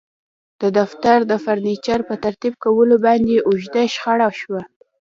د دفتر د فرنیچر په ترتیب کولو باندې اوږده شخړه شوه